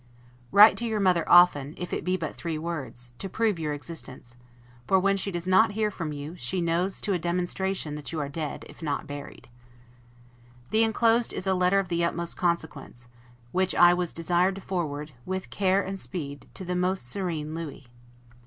Write to your mother often, if it be but three words, to prove your existence; for, when she does not hear from you, she knows to a demonstration that you are dead, if not buried. The inclosed is a letter of the utmost consequence, which I was desired to forward, with care and speed, to the most Serene LOUIS.